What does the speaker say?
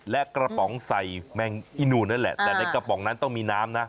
และกระป๋องใส่แมงอีนูนนั่นแหละแต่ในกระป๋องนั้นต้องมีน้ำนะ